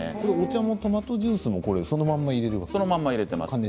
お茶もトマトジュースもそのまま入れるんですね。